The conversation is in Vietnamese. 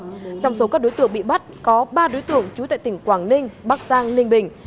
trong số các đối tượng bị bắt có ba đối tượng trú tại tỉnh quảng ninh bắc giang ninh bình